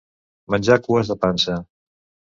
Menjar cues de pansa.